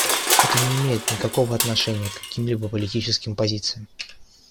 Это не имеет никакого отношения к какими-либо политическим позициям.